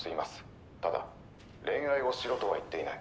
ただ恋愛をしろとは言っていない」。